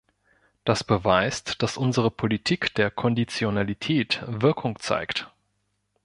Das beweist, dass unsere Politik der Konditionalität Wirkung zeigt.